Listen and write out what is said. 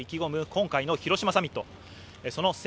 今回の広島サミット。